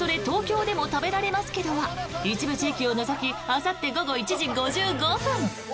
東京でも食べられますけど！」は一部地域を除きあさって午後１時５５分。